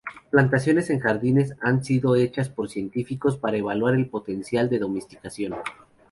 Plantaciones en jardines han sido hechas por científicos para evaluar el potencial de domesticación.